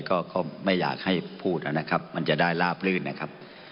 ก็ไม่อยากให้พูดนะครับมันจะได้ลาบลื่นนะครับ